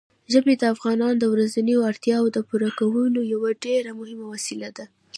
ژبې د افغانانو د ورځنیو اړتیاوو د پوره کولو یوه ډېره مهمه وسیله ده.